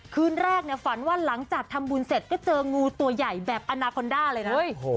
คืนแรกฝันว่าหลังจากทำบุญเสร็จก็เจองูตัวใหญ่แบบอนาคอนด้าเลยนะ